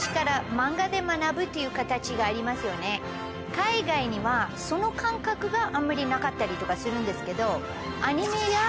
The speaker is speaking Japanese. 海外にはその感覚があんまりなかったりとかするんですけど。